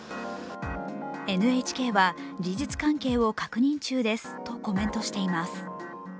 ＮＨＫは事実関係を確認中ですとコメントしています。